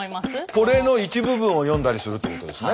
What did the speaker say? これの一部分を読んだりするってことですね。